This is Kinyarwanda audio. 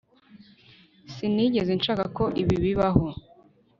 sinigeze nshaka ko ibi bibaho